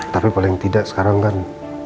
tapi paling tidak sekarang kan